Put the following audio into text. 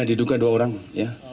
diduga dua orang ya